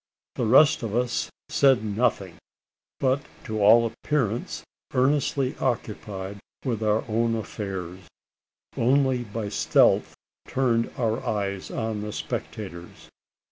The rest of us said nothing; but, to all appearance earnestly occupied with our own affairs, only by stealth turned our eyes on the spectators.